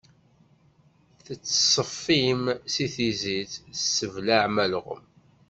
Tettṣeffim si tizit, tesseblaɛem alɣem.